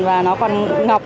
và nó còn ngập